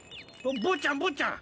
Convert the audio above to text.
坊ちゃん坊ちゃん。